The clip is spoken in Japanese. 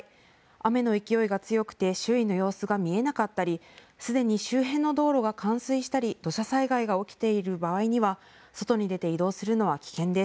雨の勢いが強くて周囲の様子が見えなかったりすでに周辺の道路が冠水したり土砂災害が起きている場合には外に出て移動するのは危険です。